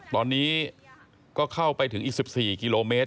ตอนนี้ก็เข้าไปถึงอีก๑๔กิโลเมตร